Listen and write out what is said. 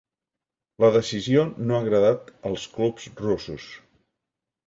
La decisió no ha agradat als clubs russos.